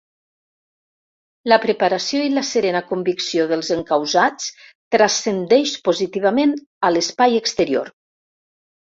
La preparació i la serena convicció dels encausats transcendeix positivament a l’espai exterior.